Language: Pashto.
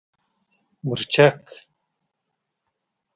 🌶 مورچک